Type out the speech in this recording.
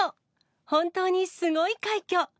本当にすごい快挙！